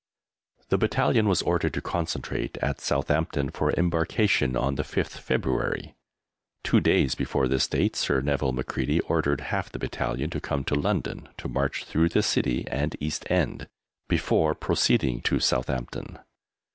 The Battalion was ordered to concentrate at Southampton for embarkation on the 5th February. Two days before this date Sir Nevil Macready ordered half the Battalion to come to London to march through the City and East End, before proceeding to Southampton.